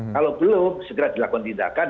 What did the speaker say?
kalau belum segera dilakukan tindakan